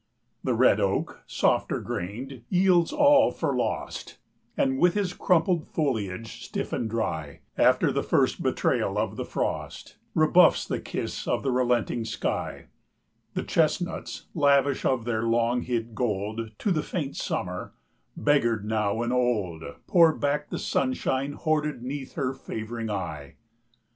The red oak, softer grained, yields all for lost, And, with his crumpled foliage stiff and dry, 65 After the first betrayal of the frost, Rebuffs the kiss of the relenting sky; The chestnuts, lavish of their long hid gold, To the faint Summer, beggared now and old, 69 Pour back the sunshine hoarded 'neath her favoring eye.